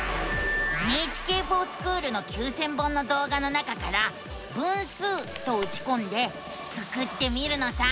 「ＮＨＫｆｏｒＳｃｈｏｏｌ」の９，０００本の動画の中から「分数」とうちこんでスクってみるのさ！